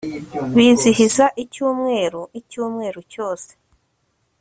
bizihiza icyumweru-icyumweru cyose